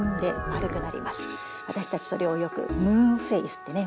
わたしたちそれをよくムーンフェイスってね